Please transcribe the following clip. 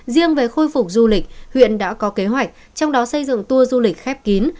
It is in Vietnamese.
riêng về khôi phục du lịch huyện đã có kế hoạch trong đó xây dựng tour du lịch khép kín